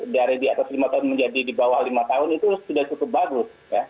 dari di atas lima tahun menjadi di bawah lima tahun itu sudah cukup bagus